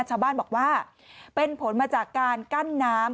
ชาวบ้านบอกว่าเป็นผลมาจากการกั้นน้ำ